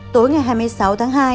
tối ngày hai mươi sáu tháng hai